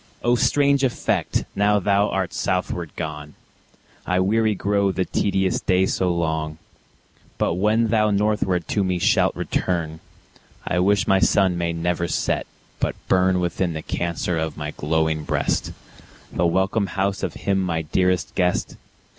O strange effect! now thou art southward gone, I weary grow the tedious day so long; But when thou northward to me shalt return, I wish my Sun may never set, but burn Within the Cancer of my glowing breast, The welcome house of him my dearest guest.